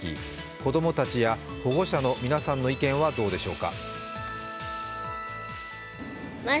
子供たちや保護者の皆さんの意見はどうでしょうか。